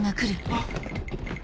あっ！